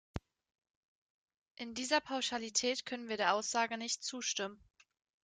In dieser Pauschalität können wir der Aussage nicht zustimmen.